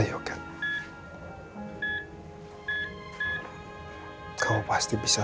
biar kamu bisa kembali beraktifitas lagi